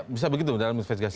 bisa begitu dalam investigasi